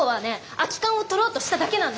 空き缶を取ろうとしただけなんです。